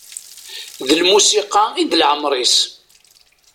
D lmusiqa i d leɛmer-is.